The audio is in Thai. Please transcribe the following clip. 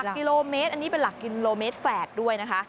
กิโลเมตรอันนี้เป็นหลักกิโลเมตรแฝดด้วยนะคะ